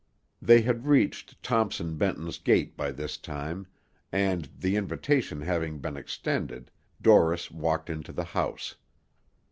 They had reached Thompson Benton's gate by this time, and, the invitation having been extended, Dorris walked into the house.